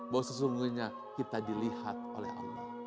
bahwa sesungguhnya kita dilihat oleh allah